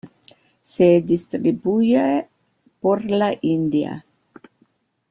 Se distribuye por la India.